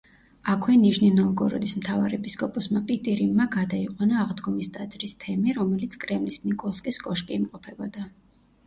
აქვე ნიჟნი-ნოვგოროდის მთავარეპისკოპოსმა პიტირიმმა გადაიყვანა აღდგომის ტაძრის თემი, რომელიც კრემლის ნიკოლსკის კოშკი იმყოფებოდა.